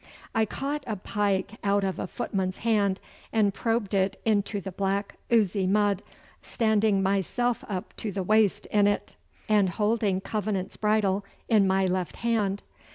I caught a pike out of a footman's hand, and probed into the black oozy mud, standing myself up to the waist in it, and holding Covenant's bridle in my left hand.